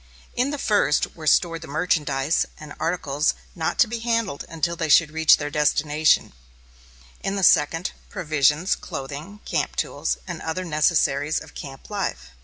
In the first were stored the merchandise and articles not to be handled until they should reach their destination; in the second, provisions, clothing, camp tools, and other necessaries of camp life.